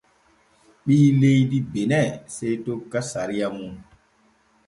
Ɓii leydi Bene sey tokka sariya mum.